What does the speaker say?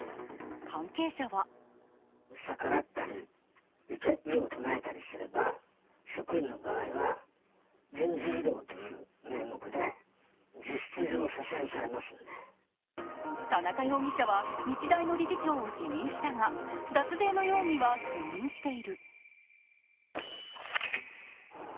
関係者は田中容疑者は日大の理事長を辞任したが脱税の容疑は否認している。